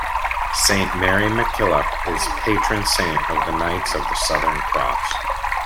Saint Mary MacKillop is patron saint of the Knights of the Southern Cross.